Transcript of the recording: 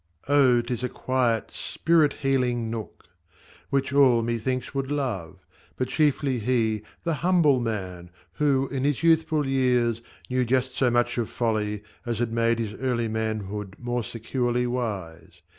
Oh ! 'tis a quiet spirit healing nook ! Which all, methinks, would love ; but chiefly he, The humble man, who, in his youthful years, Knew just so much of folly, as had made His early manhood more securely wise